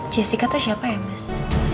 jessica itu siapa ya mas